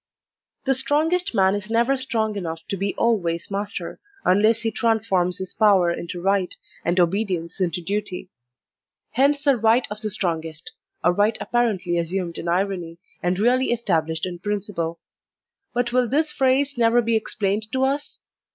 The strongest man is never strong enough to be always master, unless he transforms his power into right, and obedience into duty. Hence the right of the strongest — a right apparently assumed in irony, and really estab' lished in principle. But will this phrase never be ex plained to us?